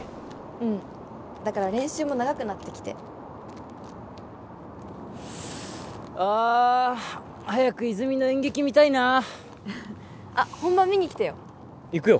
うんだから練習も長くなってきてああ早く泉の演劇見たいなああっ本番見に来てよ行くよ